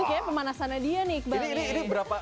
ini kayaknya pemanasan aja dia nih kembali